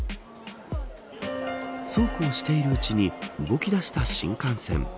そうこうしているうちに動き出した新幹線。